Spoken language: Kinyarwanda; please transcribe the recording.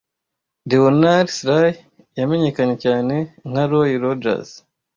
Leonard Sly yamenyekanye cyane nka Roy Rodgers